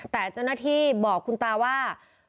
แต่เจ้าหน้าที่บอกคุณตาว่า